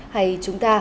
hay chúng ta